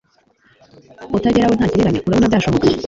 utagera we ntagereranya, urabona byashoboka